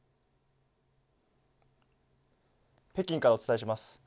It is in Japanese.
北京からお伝えします。